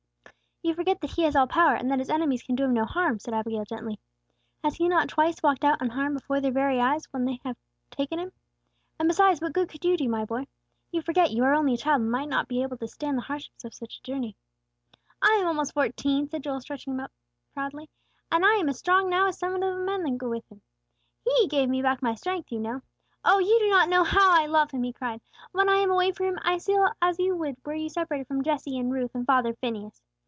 "You forget that He has all power, and that His enemies can do Him no harm," said Abigail, gently. "Has He not twice walked out unharmed, before their very eyes, when they would have taken Him? And besides what good could you do, my boy? You forget you are only a child, and might not be able to stand the hardships of such a journey." "I am almost fourteen," said Joel, stretching himself up proudly. "And I am as strong now as some of the men who go with Him. He gave me back my strength, you know. Oh, you do not know how I love Him!" he cried. "When I am away from Him, I feel as you would were you separated from Jesse and Ruth and father Phineas.